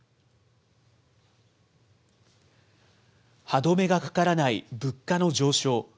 歯止めがかからない物価の上昇。